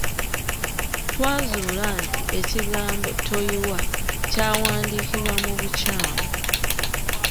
Twazuula nti, ekigambo "Toyiiwa" kyawandiikibwa mu bukyamu.